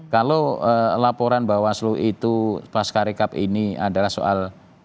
kalau laporan bawaslu itu pasca rekap ini adalah soal